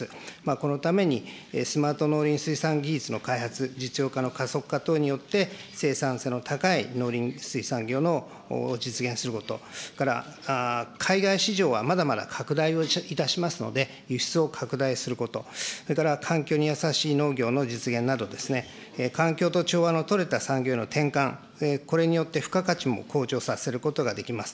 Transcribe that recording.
このために、スマート農林水産技術の開発、実用化の加速化等によって、生産性の高い農林水産業の実現すること、それから、海外市場はまだまだ拡大をいたしますので、輸出を拡大すること、それから、環境にやさしい農業の実現など、環境と調和のとれた産業への転換、これによって、付加価値も向上させることができます。